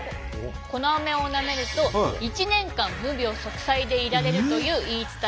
このアメをなめると一年間無病息災でいられるという言い伝えがあるんです。